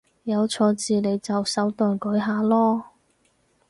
有錯字你就手動改下囉